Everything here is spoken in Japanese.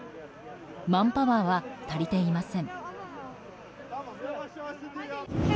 マンパワーは足りていません。